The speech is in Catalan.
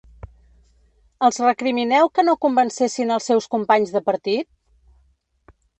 Els recrimineu que no convencessin els seus companys de partit?